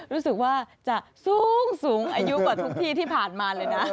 รู้สึกว่าจะสูงอายุกว่าทุกที่ที่ผ่านมาเลยนะ